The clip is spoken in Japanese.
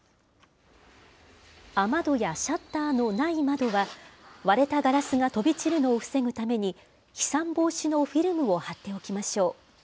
雨戸やシャッターのない窓は、割れたガラスが飛び散るのを防ぐために、飛散防止のフィルムを貼っておきましょう。